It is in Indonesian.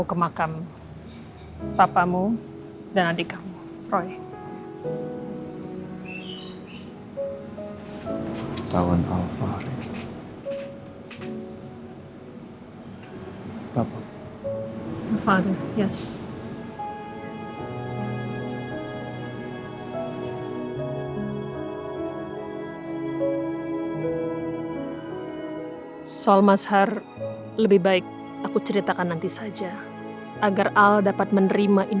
lemak darah anda tinggi